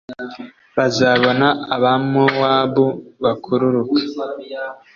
Bazabona Abamowabu bakururuka,